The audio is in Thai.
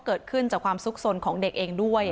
เกิดขึ้นจากความสุขสนของเด็กเองด้วย